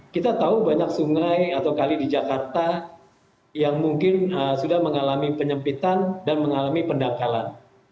kita tahu banyak sungai atau kali di jakarta yang mungkin sudah mengalami penyempitan dan mengalami pendangkalan